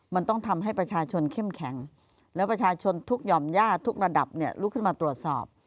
มันต้องทำให้ประชาชนเข้มแข็งแล้วประชาชนทุกหย่อมย่าทุกระดับเนี่ยลุกขึ้นมาตรวจสอบ